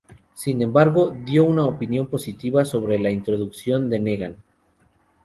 Sin embargo, dio una opinión positiva sobre la introducción de Negan.